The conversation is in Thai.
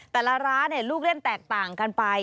แต่ละร้านลูกเล่นแตกต่างกันไป